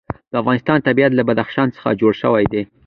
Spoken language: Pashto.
د افغانستان طبیعت له بدخشان څخه جوړ شوی دی.